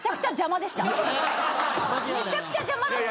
めちゃくちゃ邪魔でしたよね？